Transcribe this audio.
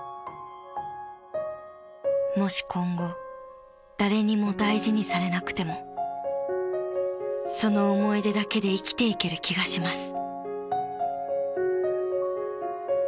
［「もし今後誰にも大事にされなくてもその思い出だけで生きていける気がします」］